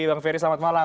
bang ferry selamat malam